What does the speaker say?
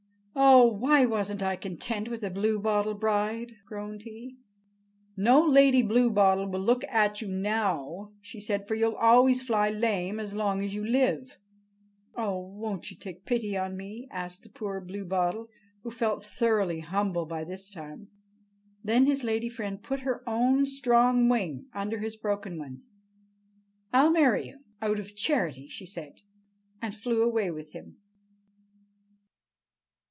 "Oh, why wasn't I content with a bluebottle bride?" groaned he. "No lady bluebottle will look at you now," said she, "for you'll always fly lame as long as you live." "Oh, won't you take pity on me?" asked the poor Bluebottle, who felt thoroughly humble by this time. Then his lady friend put her own strong wing under his broken one. "I'll marry you—out of charity," she said, and flew away with him.